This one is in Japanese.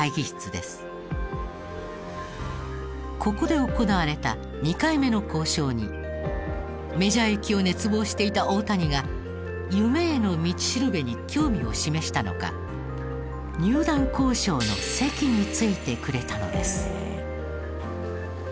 ここで行われた２回目の交渉にメジャー行きを熱望していた大谷が「夢への道しるべ」に興味を示したのか入団交渉の席に着いてくれたのです。